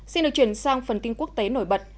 xin được chuyển sang phần tin quốc tế nổi bật